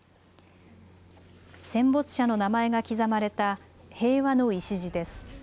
戦没者の名前が刻まれた平和の礎です。